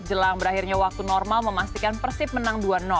jelang berakhirnya waktu normal memastikan persib menang dua